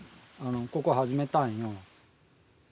ここ始めたんよ。